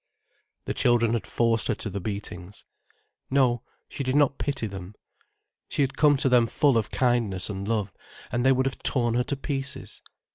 The children had forced her to the beatings. No, she did not pity them. She had come to them full of kindness and love, and they would have torn her to pieces.